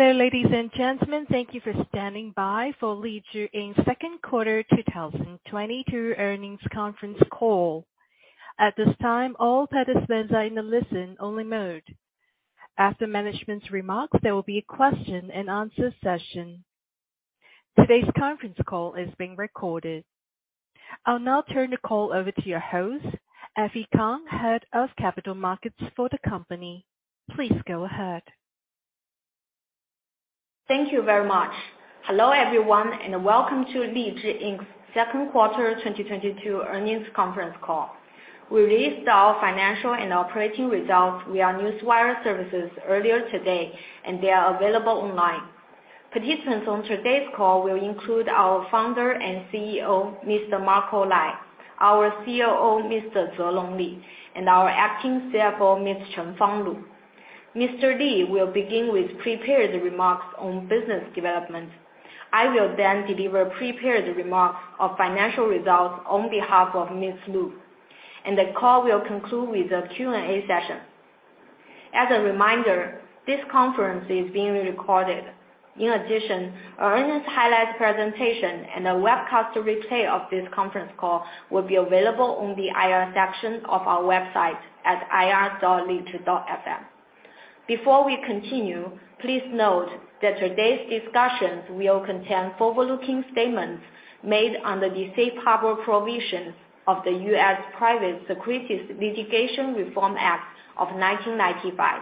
Hello, ladies and gentlemen. Thank you for standing by for LIZHI INC.'s Q2 2022 earnings Conference Call. At this time, all participants are in a listen-only mode. After management's remarks, there will be a question-and-answer session. Today's Conference Call is being recorded. I'll now turn the call over to your host, Effie Kang, Head of Capital Markets for the company. Please go ahead. Thank you very much. Hello, everyone, and welcome to LIZHI INC.'s Q2 2022 earnings Conference Call. We released our financial and operating results via Newswire services earlier today, and they are available online. Participants on today's call will include our Founder and CEO, Mr. Marco Lai, our COO, Mr. Zelong Li, and our Acting CFO, Ms. Chengfang Lu. Mr. Li will begin with prepared remarks on business development. I will then deliver prepared remarks of financial results on behalf of Ms. Lu, and the call will conclude with a Q&A session. As a reminder, this conference is being recorded. In addition, our earnings highlight presentation and a webcast replay of this Conference Call will be available on the IR section of our website at ir.lizhi.fm. Before we continue, please note that today's discussions will contain forward-looking statements made under the Safe Harbor Provisions of the U.S. Private Securities Litigation Reform Act of 1995.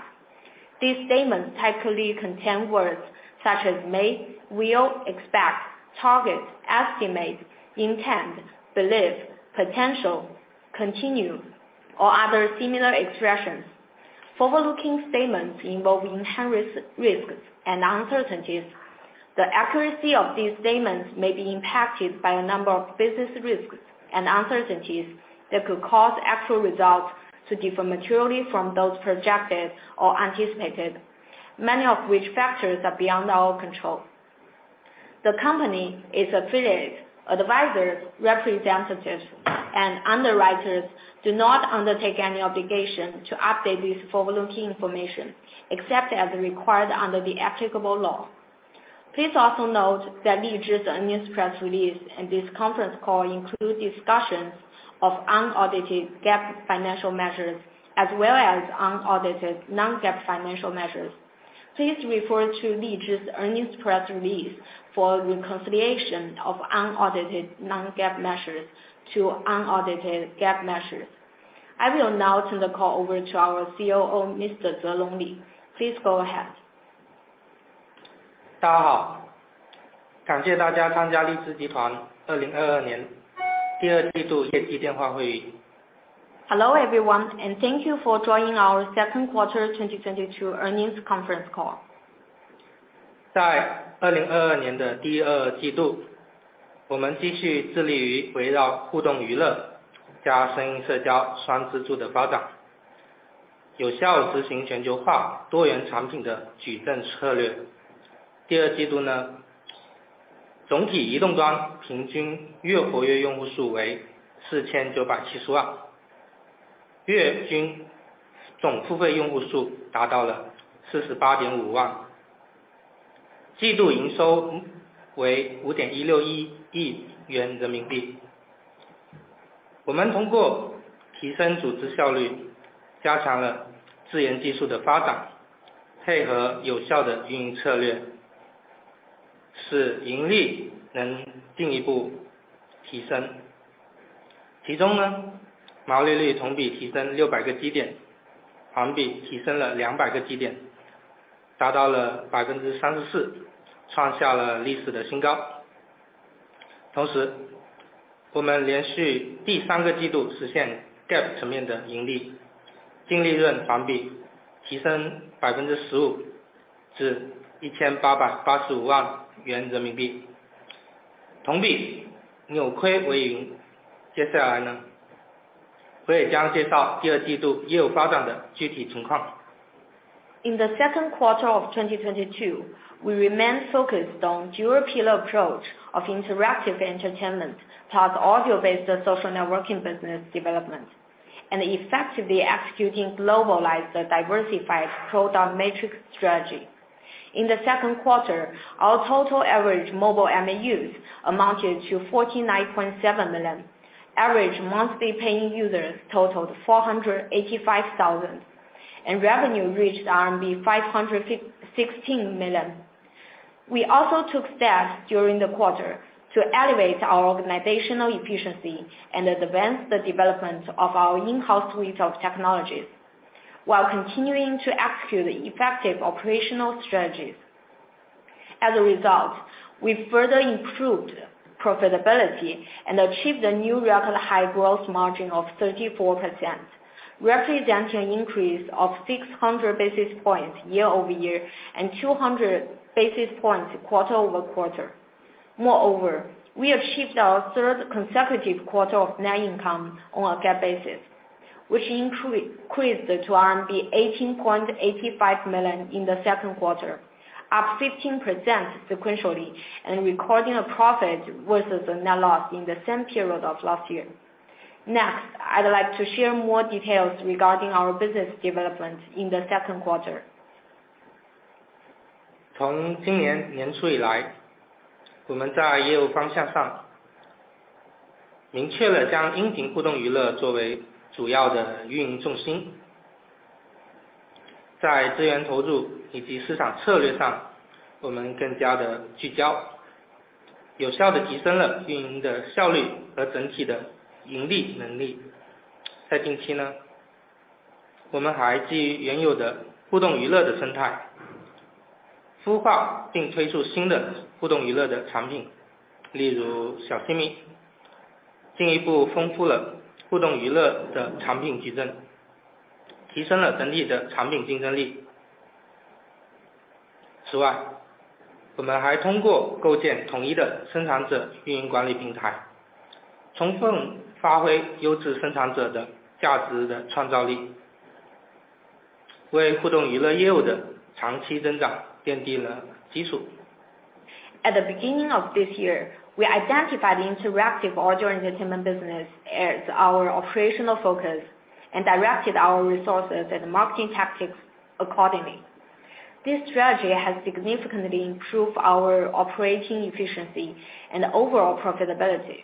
These statements typically contain words such as may, will, expect, target, estimate, intend, believe, potential, continue, or other similar expressions. Forward-looking statements involve inherent risks and uncertainties. The accuracy of these statements may be impacted by a number of business risks and uncertainties that could cause actual results to differ materially from those projected or anticipated, many of which factors are beyond our control. The company's affiliates, advisors, representatives, and underwriters do not undertake any obligation to update this forward-looking information, except as required under the applicable law. Please also note that LIZHI's earnings press release and this Conference Call include discussions of unaudited GAAP financial measures as well as unaudited non-GAAP financial measures. Please refer to LIZHI's earnings press release for reconciliation of unaudited non-GAAP measures to unaudited GAAP measures. I will now turn the call over to our COO, Mr. Zelong Li. Please go ahead. Hello, everyone, and thank you for joining our Q2 2022 earnings Conference Call. In the Q2 of 2022, we remained focused on dual-pillar approach of interactive entertainment plus audio-based social networking business development, and effectively executing globalized diversified product matrix strategy. In the Q2, our total average mobile MAUs amounted to 49.7 million. Average monthly paying users totaled 485,000, and revenue reached RMB 516 million. We also took steps during the quarter to elevate our organizational efficiency and advance the development of our in-house suite of technologies while continuing to execute effective operational strategies. As a result, we further improved profitability and achieved a new record high-growth margin of 34%, representing an increase of 600 basis points year-over-year and 200 basis points quarter-over-quarter. Moreover, we achieved our third consecutive quarter of net income on a GAAP basis, which increased to RMB 18.85 million in the Q2, up 15% sequentially and recording a profit versus a net loss in the same period of last year. Next, I'd like to share more details regarding our business development in the Q2. At the beginning of this year, we identified the interactive audio entertainment business as our operational focus and directed our resources and marketing tactics accordingly. This strategy has significantly improved our operating efficiency and overall profitability.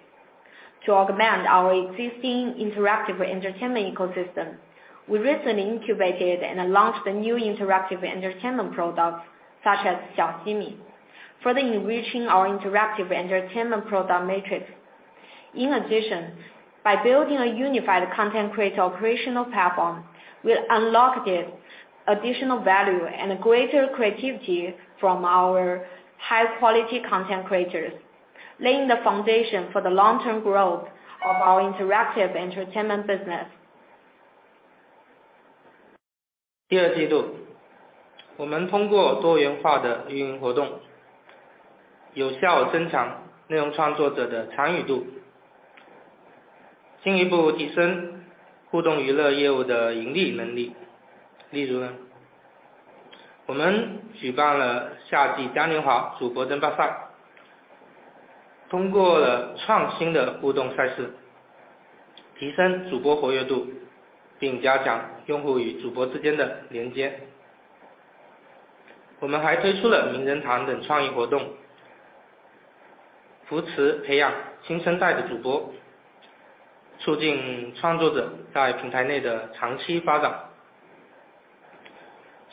To augment our existing interactive entertainment ecosystem, we recently incubated and launched the new interactive entertainment products such as Xiao Ximi, further enriching our interactive entertainment product matrix. In addition, by building a unified content creator operational platform, we unlocked additional value and greater creativity from our high-quality content creators, laying the foundation for the long-term growth of our interactive entertainment business. 第二季度，我们通过多元化的运营活动，有效增强内容创作者的参与度，进一步提升互动娱乐业务的盈利能力。例如，我们举办了夏季嘉年华主播争霸赛，通过了创新的互动赛事，提升主播活跃度，并加强用户与主播之间的连接。我们还推出了名人堂等创意活动，扶持培养新生代的主播，促进创作者在平台内的长期发展。此外，我们还与英雄联盟手游达成了品牌的联动，举办了英雄闪耀之声的翻唱大赛，鼓励用户通过创作和分享内容进行实时互动。我们也很高兴地看到，在第二季度，音频互动娱乐业务的用户渗透率同比提升350个基点到18.5%。平均月活跃的用户数达到了917万。另一方面，我们通过流量扶持等策略，提升了中长尾内容创作者的活跃度，进一步优化成本的结构，提升了整体毛利率的水平。在下一阶段，我们将继续集中资源去拓展互动娱乐的业务，孵化并打造多元化的音频互动娱乐产品的矩阵，覆盖更多核心用户的群体，加强互动娱乐业务的用户渗透率，促进付费转化率的提升。In the Q2,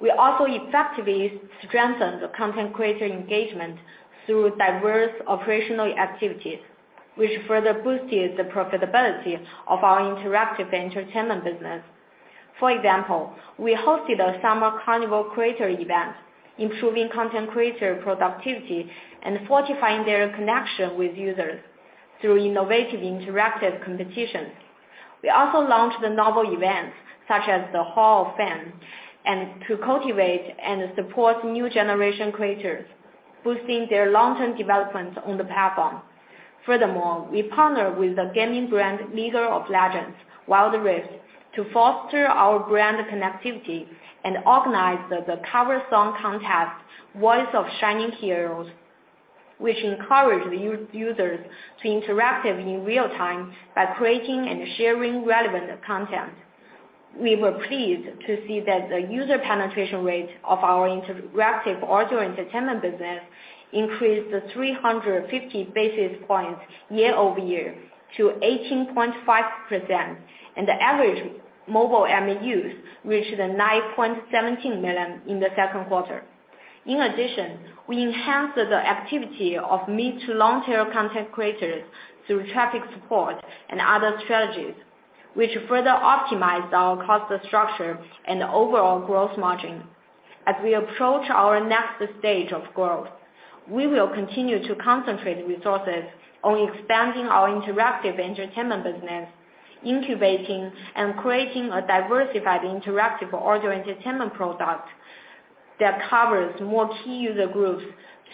we also effectively strengthened the content creator engagement through diverse operational activities, which further boosted the profitability of our interactive entertainment business. For example, we hosted a Summer Carnival creator event, improving content creator productivity and fortifying their connection with users through innovative interactive competitions. We also launched the novel events such as The Hall of Fame, to cultivate and support new generation creators, boosting their long-term development on the platform. Furthermore, we partnered with the gaming brand League of Legends: Wild Rift to foster our brand connectivity and organized the cover song contest, Voice of Shining Heroes, which encouraged users to interact in real time by creating and sharing relevant content. We were pleased to see that the user penetration rate of our interactive audio entertainment business increased 350 basis points year-over-year to 18.5%, and the average mobile MAUs reached 9.17 million in the Q2. In addition, we enhanced the activity of mid- to long-term content creators through traffic support and other strategies, which further optimized our cost structure and overall growth margin. As we approach our next stage of growth, we will continue to concentrate resources on expanding our interactive entertainment business, incubating, and creating a diversified interactive audio entertainment product that covers more key user groups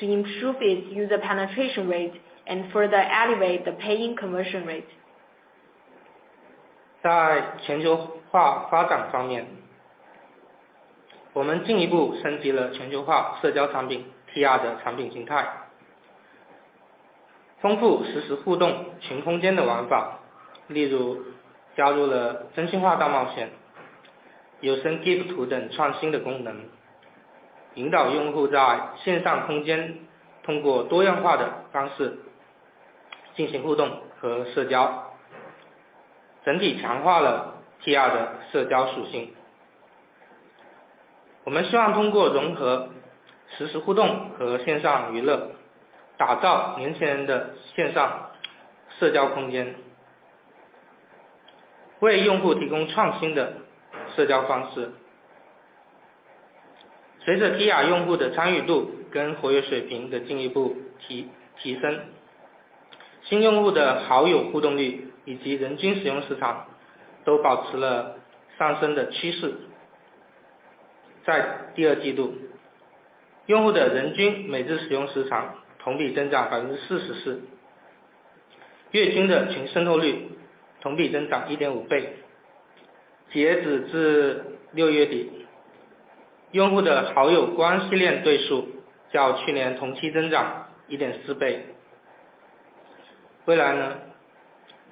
to improve its user penetration rate and further elevate the paying conversion rate.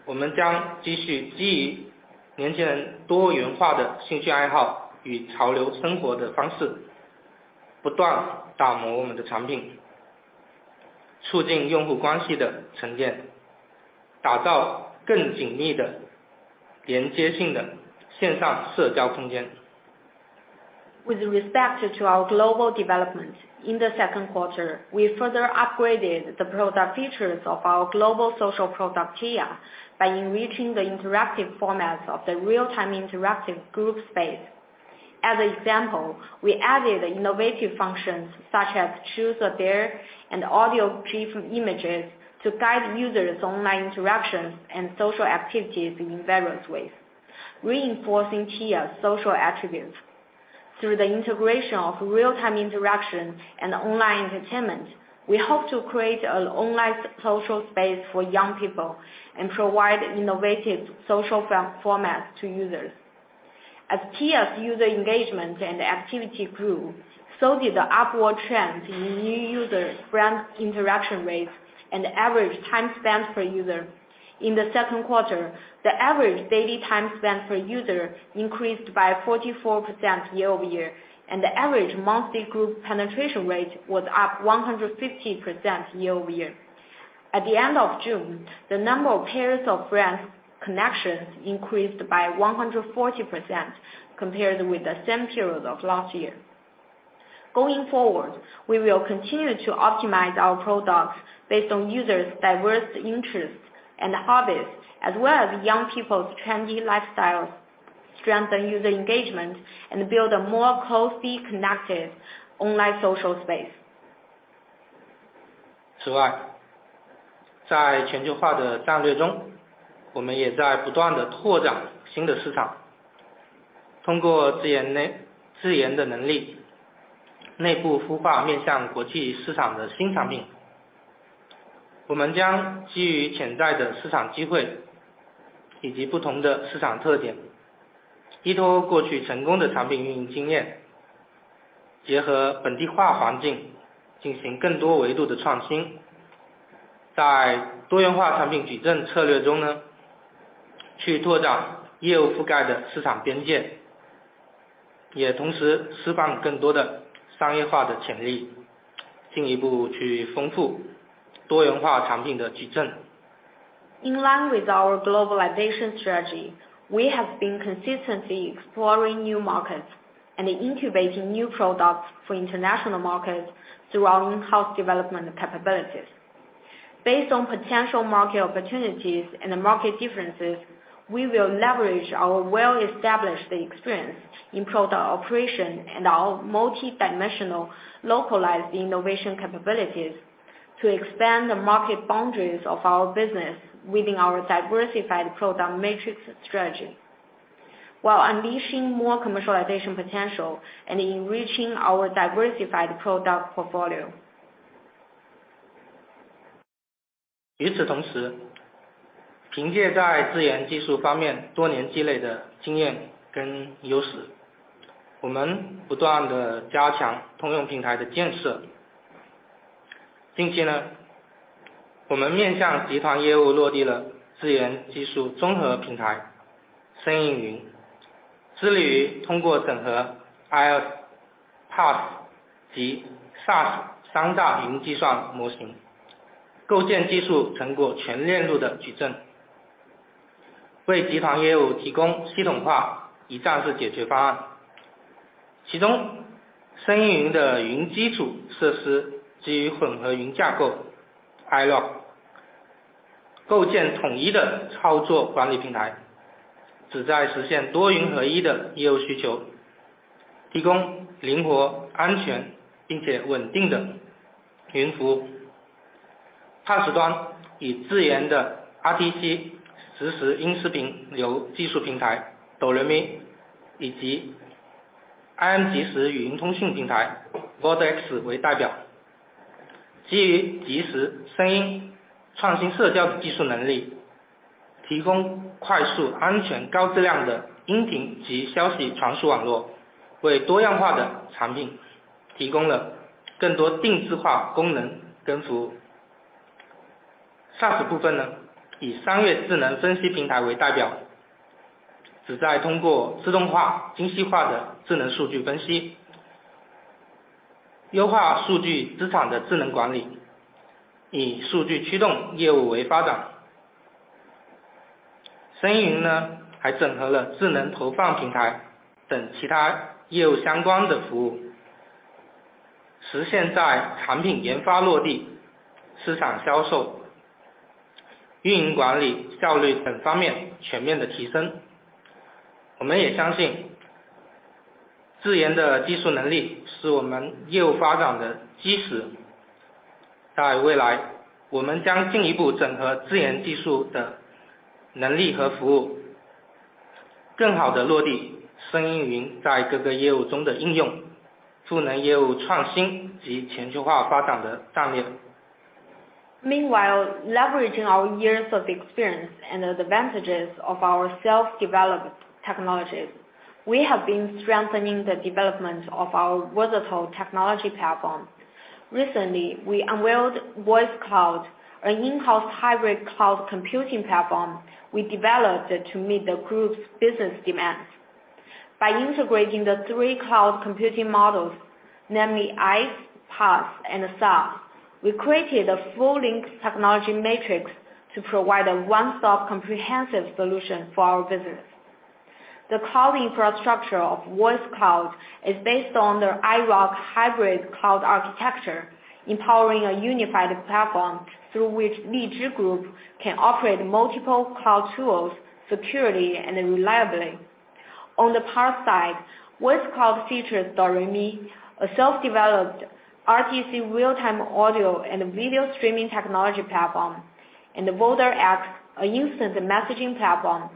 With respect to our global development. In the Q2, we further upgraded the product features of our global social product TIYA by enriching the interactive formats of the real-time interactive group space. As an example, we added innovative functions such as Truth or Dare and Audio GIF images to guide users online interactions and social activities in various ways, reinforcing TIYA's social attributes through the integration of real-time interaction and online entertainment. We hope to create an online social space for young people and provide innovative social formats to users. As TIYA's user engagement and activity grew, so did the upward trend in new user interaction rates and average time spent per user. In the Q2, the average daily time spent per user increased by 44% year-over-year, and the average monthly group penetration rate was up 150% year-over-year. At the end of June, the number of pairs of friends connections increased by 140% compared with the same period of last year. Going forward, we will continue to optimize our products based on users' diverse interests and hobbies, as well as young people's trendy lifestyle. Strengthen user engagement and build a more closely connected online social space. 此外，在全球化的战略中，我们也在不断地拓展新的市场。通过自研的能力，内部孵化面向国际市场的新产品。我们将基于潜在的市场机会以及不同的市场特点，依托过去成功的产品运营经验，结合本地化环境进行更多维度的创新。在多元化产品矩阵策略中，去拓展业务覆盖的市场边界，也同时释放更多的商业化的潜力，进一步去丰富多元化产品的矩阵。In line with our globalization strategy, we have been consistently exploring new markets and incubating new products for international markets through our in-house development capabilities. Based on potential market opportunities and market differences, we will leverage our well-established experience in product operation and our multidimensional localized innovation capabilities to expand the market boundaries of our business within our diversified product matrix strategy, while unleashing more commercialization potential and enriching our diversified product portfolio. Meanwhile, leveraging our years of experience and the advantages of our self-developed technologies, we have been strengthening the development of our versatile technology platform. Recently, we unveiled Voice Cloud, an in-house hybrid cloud computing platform we developed to meet the group's business demands. By integrating the three cloud computing models, namely IaaS, PaaS and SaaS, we created a full links technology matrix to provide a one-stop comprehensive solution for our business. The cloud infrastructure of Voice Cloud is based on the iRock hybrid cloud architecture, empowering a unified platform through which Sound Group can operate multiple cloud tools securely and reliably. On the PaaS side, Voice Cloud features DoReMi, a self-developed RTC real-time audio and video streaming technology platform, and Voder X, an instant messaging platform.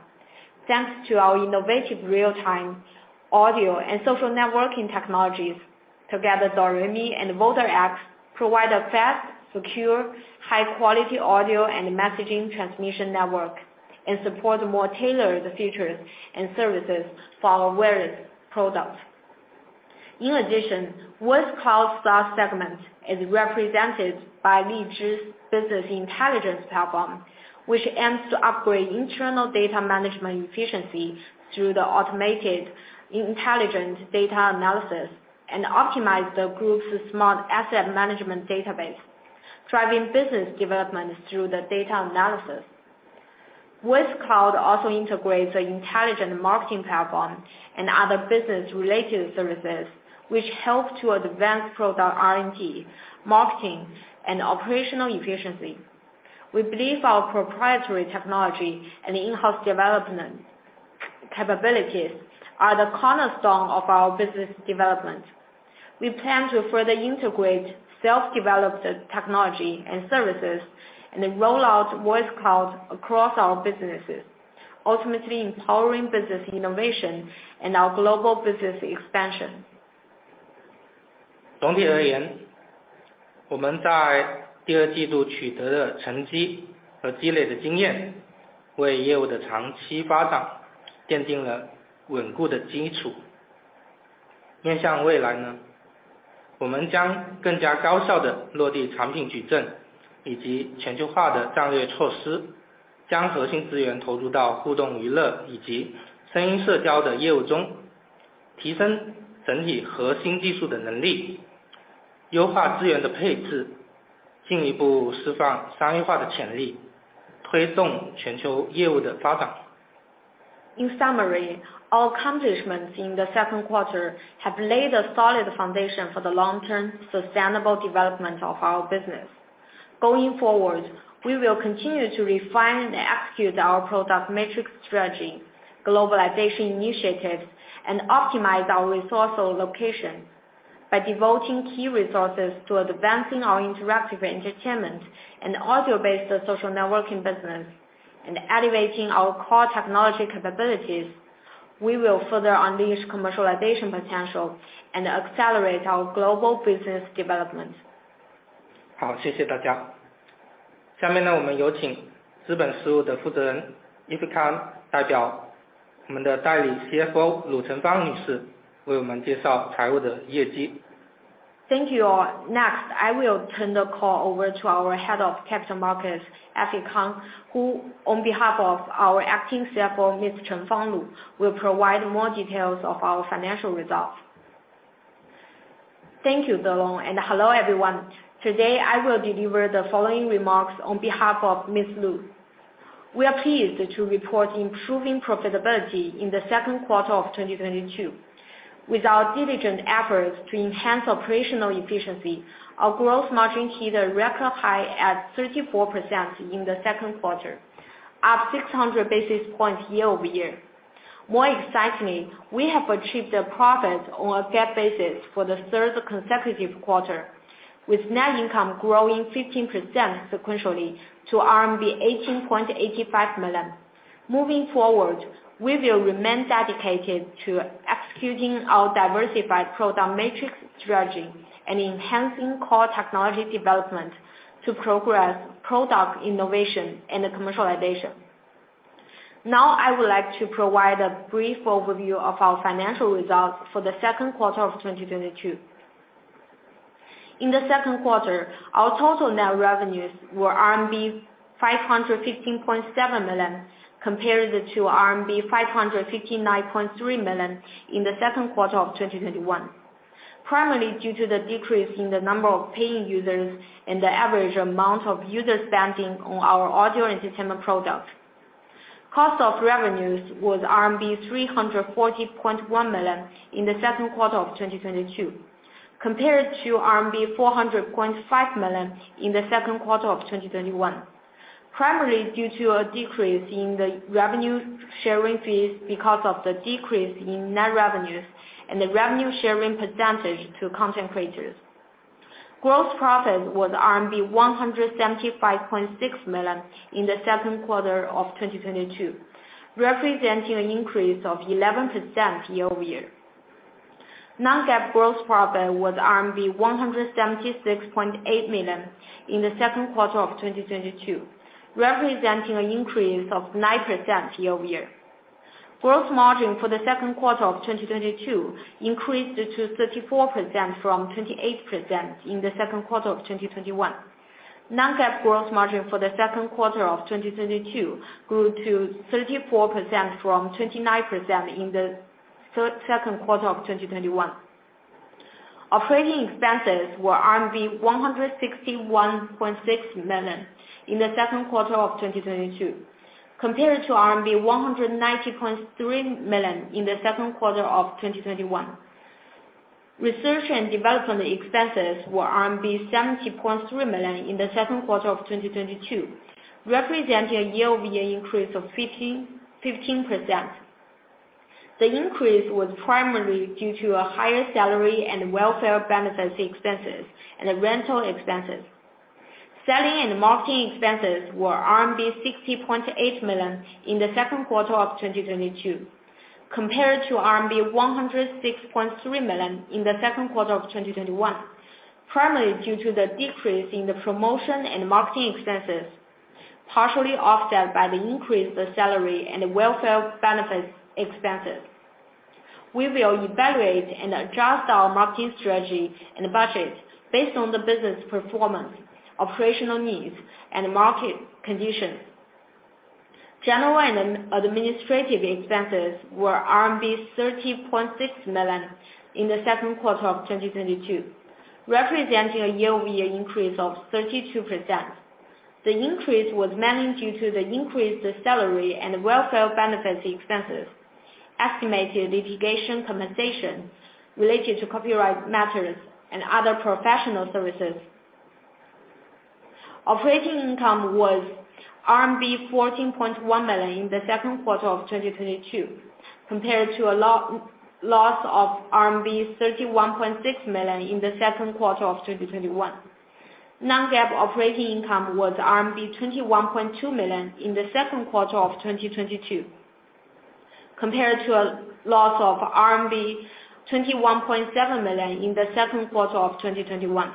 Thanks to our innovative real-time audio and social networking technologies. Together, DoReMi and Voder X provide a fast, secure, high-quality audio and messaging transmission network and support more tailored features and services for our various products. In addition, Voice Cloud SaaS segment is represented by Lizhi's business intelligence platform, which aims to upgrade internal data management efficiency through the automated intelligent data analysis and optimize the group's smart asset management database. Driving business development through the data analysis. Voice Cloud also integrates the intelligent marketing platform and other business- related services, which help to advance product R&D, marketing and operational efficiency. We believe our proprietary technology and in-house development capabilities are the cornerstone of our business development. We plan to further integrate self-developed technology and services, and then roll out Voice Cloud across our businesses, ultimately empowering business innovation and our global business expansion. In summary, our accomplishments in the Q2 have laid a solid foundation for the long term sustainable development of our business. Going forward, we will continue to refine and execute our product matrix strategy, globalization initiatives, and optimize our resource allocation by devoting key resources to advancing our interactive entertainment and audio-based social networking business and elevating our core technology capabilities. We will further unleash commercialization potential and accelerate our global business development. 好，谢谢大家。下面呢，我们有请资本事务的负责人Effy Kang代表我们的代理CFO鲁晨芳女士为我们介绍财务的业绩。Thank you all. Next, I will turn the call over to our Head of Capital Markets, Effy Kang, who, on behalf of our Acting CFO, Ms. Chengfang Lu, will provide more details of our financial results. Thank you, Zelong Li, and hello everyone. Today I will deliver the following remarks on behalf of Ms. Lu. We are pleased to report improving profitability in the Q2 of 2022. With our diligent efforts to enhance operational efficiency, our gross margin hit a record high at 34% in the Q2, up 600 basis points year-over-year. More excitingly, we have achieved a profit on a GAAP basis for the third consecutive quarter, with net income growing 15% sequentially to RMB 18.85 million. Moving forward, we will remain dedicated to executing our diversified product matrix strategy and enhancing core technology development to progress product innovation and commercialization. Now I would like to provide a brief overview of our financial results for the Q2 of 2022. In the Q2, our total net revenues were RMB 515.7 million, compared to RMB 559.3 million in the Q2 of 2021. Primarily due to the decrease in the number of paying users and the average amount of user spending on our audio entertainment product. Cost of revenues was RMB 340.1 million in the Q2 of 2022, compared to RMB 400.5 million in the Q2 of 2021. Primarily due to a decrease in the revenue sharing fees because of the decrease in net revenues and the revenue sharing percentage to content creators. Gross profit was RMB 175.6 million in the Q2 of 2022, representing an increase of 11% year-over-year. Non-GAAP gross profit was RMB 176.8 million in the Q2 of 2022, representing an increase of 9% year-over-year. Gross margin for the Q2 of 2022 increased to 34% from 28% in the Q2 of 2021. Non-GAAP gross margin for the Q2 of 2022 grew to 34% from 29% in the Q2 of 2021. Operating expenses were RMB 161.6 million in the Q2 of 2022, compared to RMB 190.3 million in the Q2 of 2021. Research and development expenses were RMB 70.3 million in the Q2 of 2022, representing a 15% year-over-year increase. The increase was primarily due to a higher salary and welfare benefits expenses and rental expenses. Selling and marketing expenses were RMB 60.8 million in the Q2 of 2022, compared to RMB 106.3 million in the Q2 of 2021. Primarily due to the decrease in the promotion and marketing expenses, partially offset by the increase of the salary and welfare benefits expenses. We will evaluate and adjust our marketing strategy and budget based on the business performance, operational needs, and market conditions. General and administrative expenses were RMB 30.6 million in the Q2 of 2022, representing a 32% year-over-year increase. The increase was mainly due to the increased salary and welfare benefits expenses, estimated litigation compensation related to copyright matters and other professional services. Operating income was RMB 14.1 million in the Q2 of 2022, compared to a loss of RMB 31.6 million in the Q2 of 2021. Non-GAAP operating income was RMB 21.2 million in the Q2 of 2022, compared to a loss of RMB 21.7 million in the Q2 of 2021.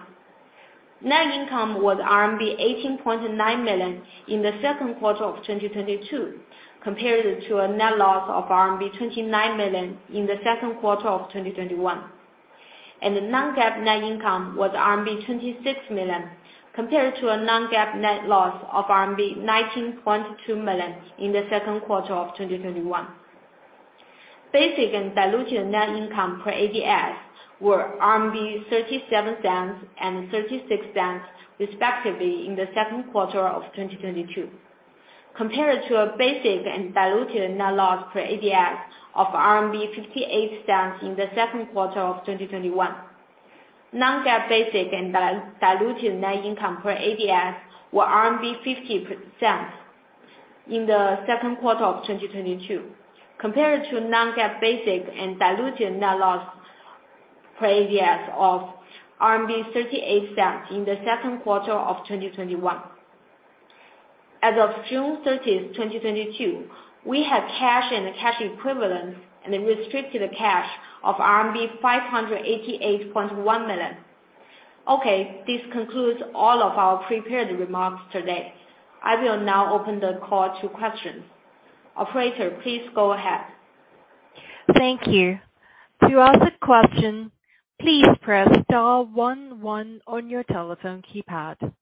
Net income was RMB 18.9 million in the Q2 of 2022, compared to a net loss of RMB 29 million in the Q2 of 2021. Non-GAAP net income was RMB 26 million, compared to a non-GAAP net loss of RMB 19.2 million in the Q2 of 2021. Basic and diluted net income per ADS were 0.37 and 0.36 respectively in the Q2 of 2022, compared to a basic and diluted net loss per ADS of 0.58 in the Q2 of 2021. Non-GAAP basic and diluted net income per ADS were RMB 0.50 in the Q2 of 2022, compared to non-GAAP basic and diluted net loss per ADS of CNY 0.38 in the Q2 of 2021. As of June 30, 2022, we have cash and cash equivalents and restricted cash of RMB 588.1 million. Okay, this concludes all of our prepared remarks today. I will now open the call to questions. Operator, please go ahead. Thank you. To ask a question, please press * one one on your telephone keypad.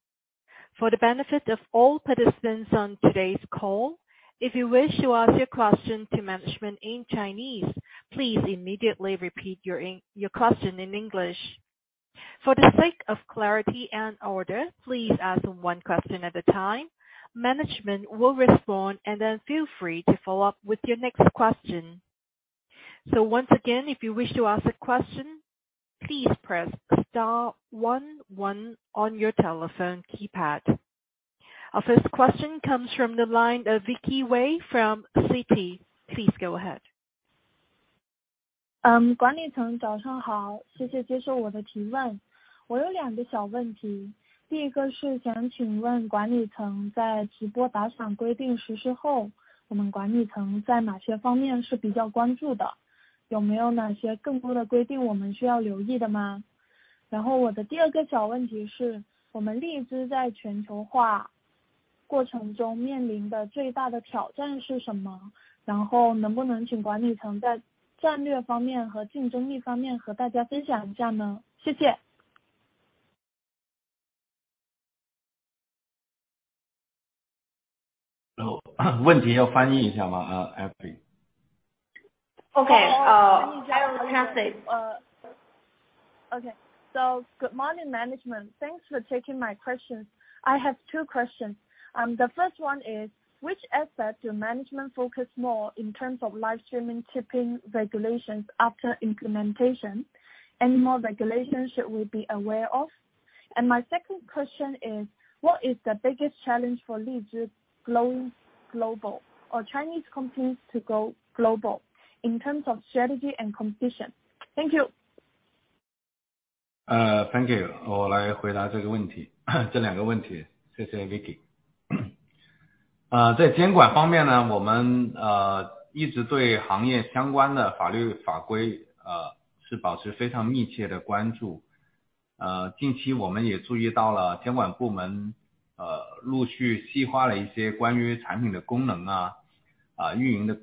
For the benefit of all participants on today's call, if you wish to ask your question to management in Chinese, please immediately repeat your question in English. For the sake of clarity and order, please ask one question at a time. Management will respond and then feel free to follow-up with your next question. Once again, if you wish to ask a question, please press * one one on your telephone keypad. Our first question comes from the line of Vicky Wei from Citi. Please go ahead. 管理层早上好，谢谢接受我的提问。我有两个小问题，第一个是想请问管理层，在直播打赏规定实施后，我们管理层在哪些方面是比较关注的？有没有哪些更多的规定我们需要留意的吗？然后我的第二个小问题是我们荔枝在全球化过程中面临的最大的挑战是什么？然后能不能请管理层在战略方面和竞争力方面和大家分享一下呢？谢谢。问题要翻译一下吗？Emily。Okay, I will translate. Okay. Good morning management, thanks for taking my questions. I have two questions. The first one is, which aspects do management focus more in terms of live streaming tipping regulations after implementation? Any more regulations should we be aware of? My second question is, what is the biggest challenge for Lizhi going global or Chinese companies to go global in terms of strategy and competition? Thank you. 谢谢 Vicky。在监管方面，我们一直对行业相关的法律法规保持非常密切的关注。近期我们也注意到了监管部门陆续细化了一些关于产品的功能、运营的规范，还有数据管理这些方面的要求。我们认为这些要求是更加清晰和明确的，它能够规范整个行业，促进整个行业的长期发展，会有更好的网络环境。Thank you, Vicky. I'll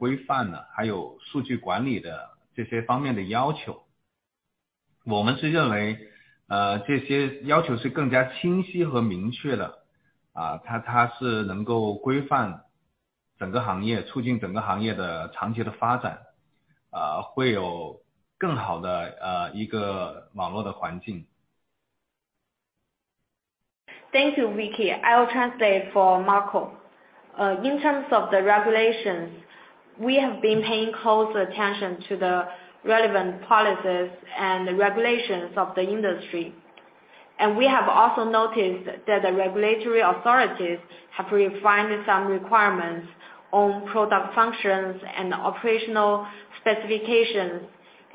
translate for Marco. In terms of the regulations, we have been paying close attention to the relevant policies and the regulations of the industry. We have also noticed that the regulatory authorities have refined some requirements on product functions and operational specifications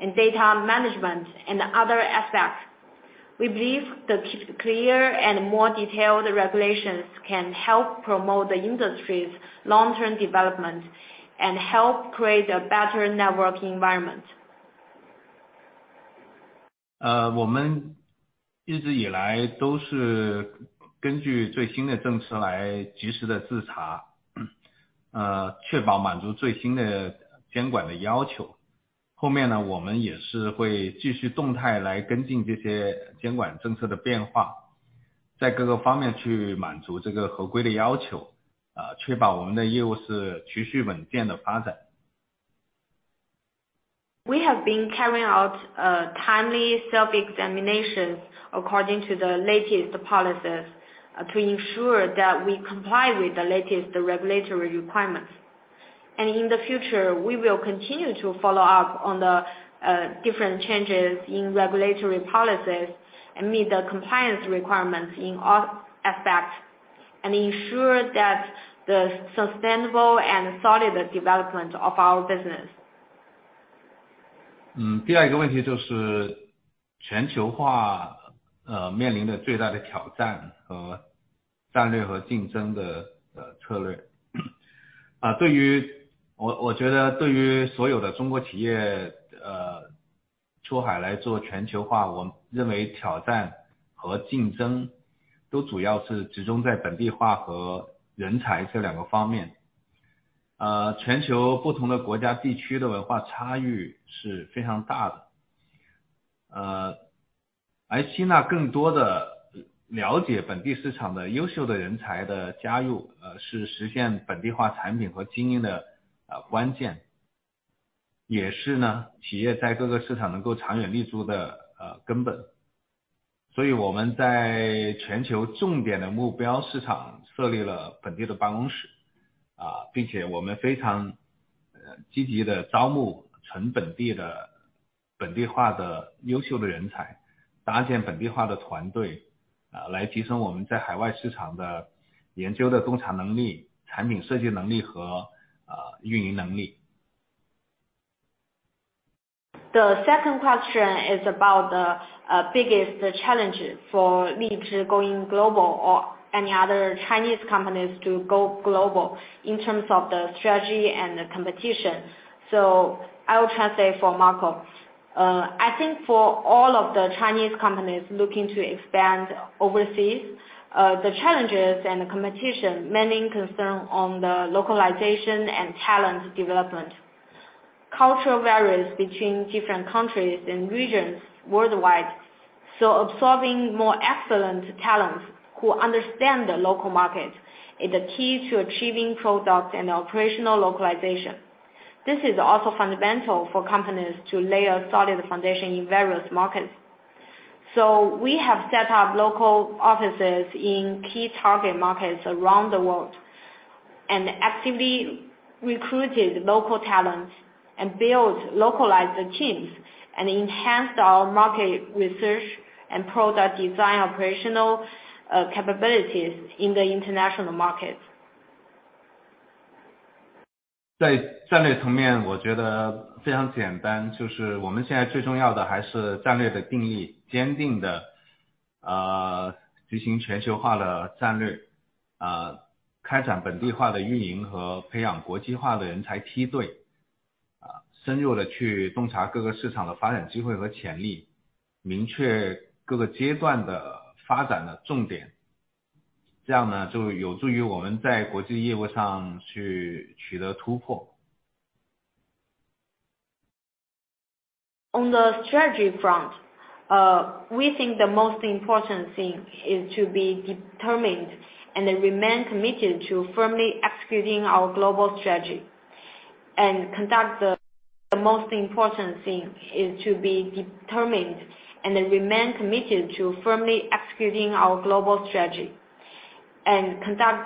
and data management and other aspects. We believe the clear and more detailed regulations can help promote the industry's long-term development and help create a better network environment. 我们一直以来都是根据最新的政策来及时地自查，确保满足最新的监管的要求。后面呢，我们也是会继续动态来跟进这些监管政策的变化，在各个方面去满足这个合规的要求，确保我们的业务是持续稳健的发展。We have been carrying out timely self-examination according to the latest policies to ensure that we comply with the latest regulatory requirements. In the future, we will continue to follow-up on the different changes in regulatory policies and meet the compliance requirements in all aspects, and ensure that the sustainable and solid development of our business. The second question is about the biggest challenges for Lizhi going global or any other Chinese companies to go global in terms of the strategy and the competition. I will translate for Marco. I think for all of the Chinese companies looking to expand overseas, the challenges and competition mainly concern on the localization and talent development. Culture varies between different countries and regions worldwide, so absorbing more excellent talents who understand the local market is the key to achieving product and operational localization. This is also fundamental for companies to lay a solid foundation in various markets. We have set up local offices in key target markets around the world, and actively recruited local talents and build localized teams and enhanced our market research and product design operational capabilities in the international market. On the strategy front, we think the most important thing is to be determined and then remain committed to firmly executing our global strategy and conduct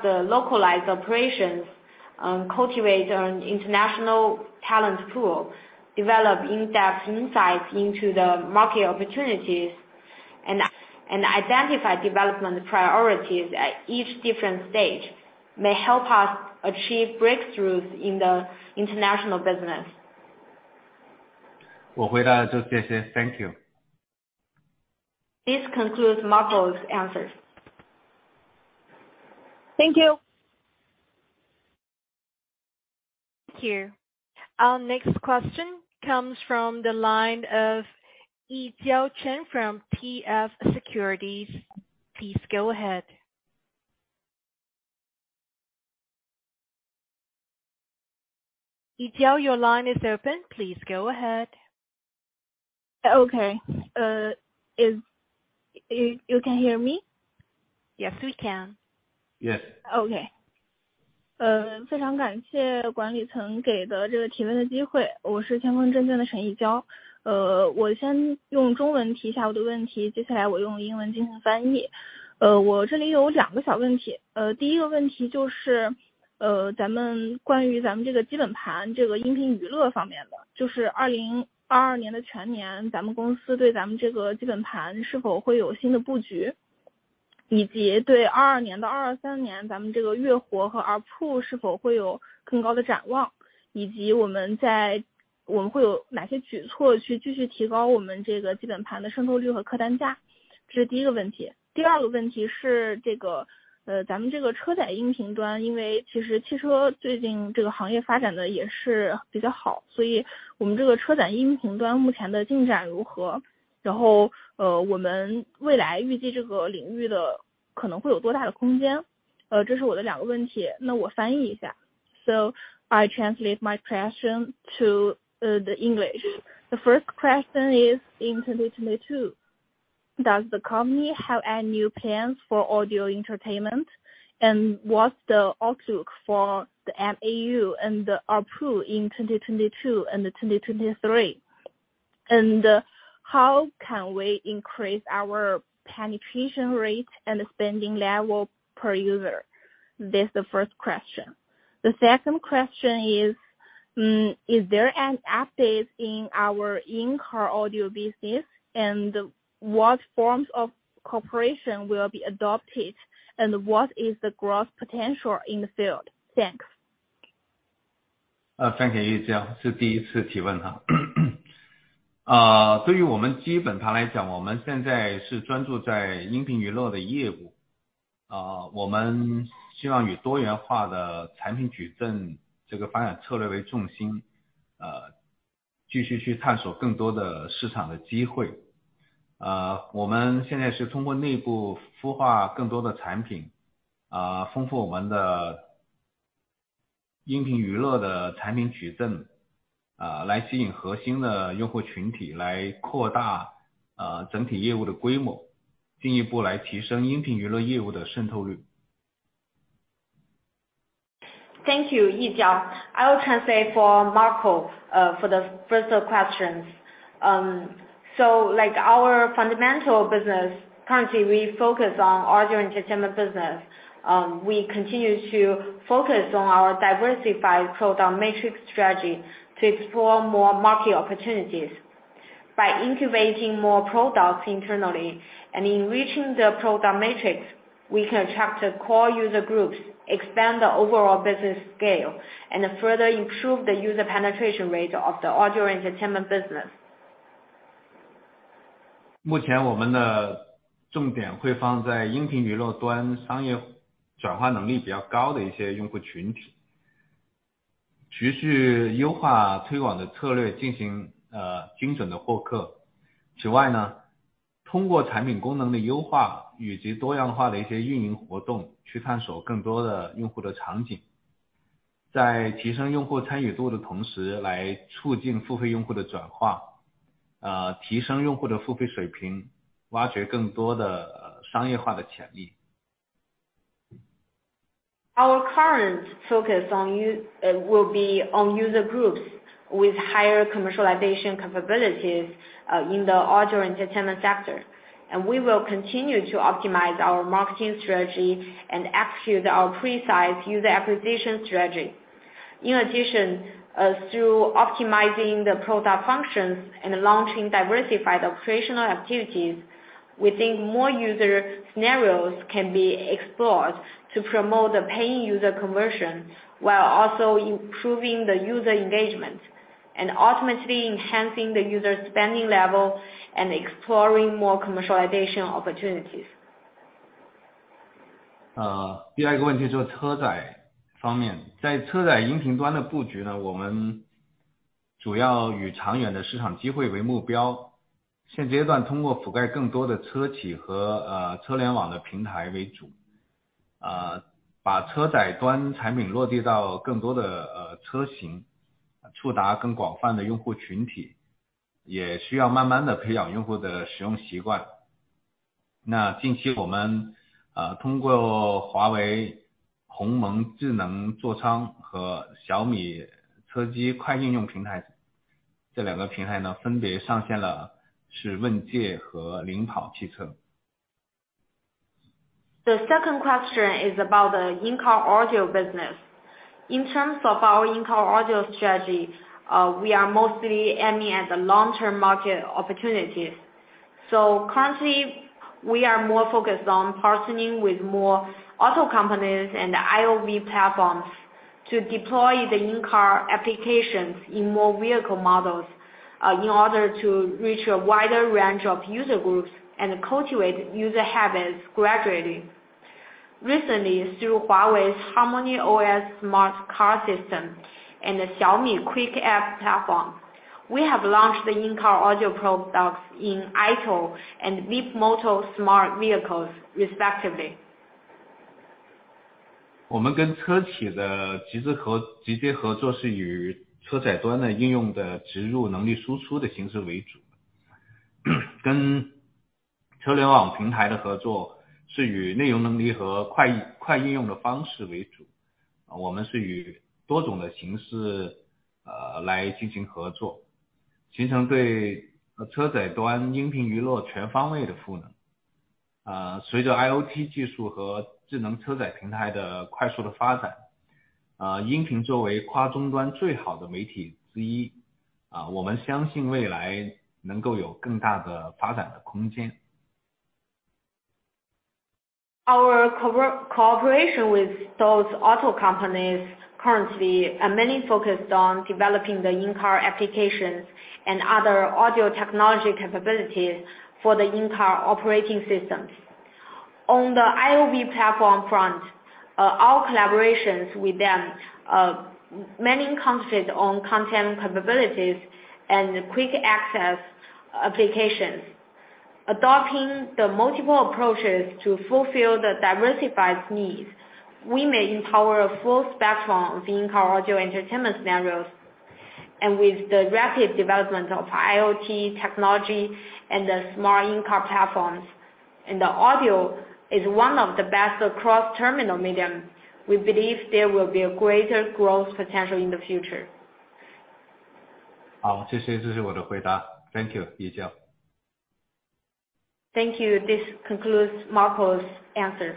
localized operations, cultivate an international talent pool, develop in-depth insights into the market opportunities and identify development priorities at each different stage may help us achieve breakthroughs in the international business. 我回答的就这些。Thank you。This concludes Marco's answers. Thank you. Here. Our next question comes from the line of Yijiao Chen from TF Securities. Please go ahead. Yijiao, your line is open. Please go ahead. Okay. Can you hear me? Yes, we can. Yes。So I translate my question to English. The first question is, in 2022, does the company have any new plans for audio entertainment? What's the outlook for the MAU and ARPU in 2022 and 2023? How can we increase our penetration rate and spending level per user? That's the first question. The second question is there an update in our in-car audio business? What forms of cooperation will be adopted? What is the growth potential in the field? Thanks. Thank you, Yijiao Chen. I will translate for Marco Lai for the first questions. Like our fundamental business, currently we focus on audio entertainment business. We continue to focus on our diversified product matrix strategy to explore more market opportunities. By incubating more products internally and enriching the product matrix, we can attract the core user groups, expand the overall business scale, and further improve the user penetration rate of the audio entertainment business. Our current focus will be on user groups with higher commercialization capabilities in the audio entertainment sector. We will continue to optimize our marketing strategy and execute our precise user acquisition strategy. In addition, through optimizing the product functions and launching diversified operational activities, we think more user scenarios can be explored to promote the paying user conversion, while also improving the user engagement and ultimately enhancing the user spending level and exploring more commercialization opportunities. Uh, The second question is about the in-car audio business. In terms of our in-car audio strategy, we are mostly aiming at the long-term market opportunities. Currently, we are more focused on partnering with more auto companies and IOV platforms to deploy the in-car applications in more vehicle models, in order to reach a wider range of user groups and cultivate user habits gradually. Recently, through Huawei's HarmonyOS smart car system and the Xiaomi Quick App platform, we have launched the in-car audio products in Aito and Leapmotor smart vehicles respectively. Our cooperation with those auto companies currently are mainly focused on developing the in-car applications and other audio technology capabilities for the in-car operating systems. On the IOV platform front, our collaborations with them mainly concentrate on content capabilities and quick access applications. Adopting the multiple approaches to fulfill the diversified needs, we may empower a full spectrum of the in-car audio entertainment scenarios. With the rapid development of IoT technology and the smart in-car platforms, and the audio is one of the best cross terminal medium, we believe there will be a greater growth potential in the future. Thank you. Thank you. This concludes Marco's answer.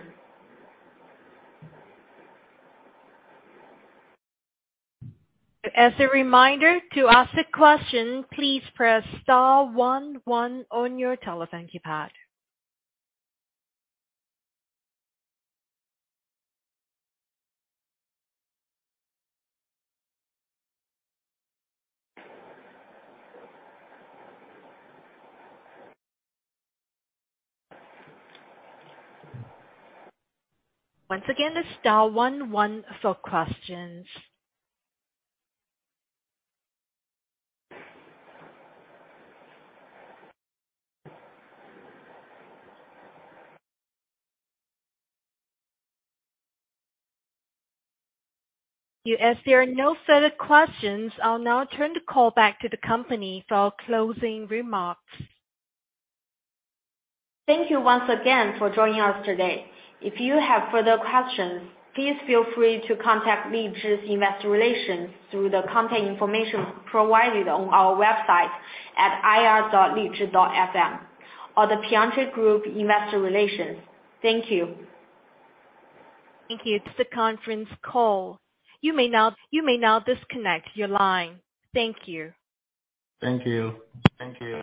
As a reminder, to ask a question, please press * one one on your telephone keypad. Once again, it's * one one for questions. As there are no further questions, I'll now turn the call back to the company for closing remarks. Thank you once again for joining us today. If you have further questions, please feel free to contact Sound Group's Investor Relations through the contact information provided on our website at ir.lizhi.fm or The Piacente Group Investor Relations. Thank you. Thank you. This is a Conference Call. You may now disconnect your line. Thank you. Thank you. Thank you.